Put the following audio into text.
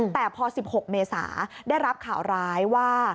แต่พอ๑๖เมษาได้รับข่าวร้ายว่า